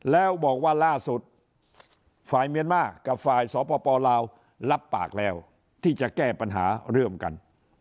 แล้วบอกว่าล่าสุดฝ่ายเมียนมาร์กับฝ่ายสปลาวรับปากแล้วที่จะแก้ปัญหาร่วมกัน